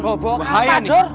kok bawa kampak dor